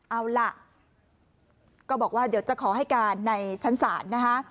เอาล่ะก็บอกว่าเดี๋ยวจะขอให้การในชั้นศาลนะคะ